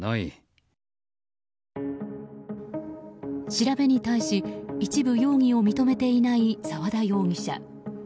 調べに対し一部、容疑を認めていない沢田容疑者。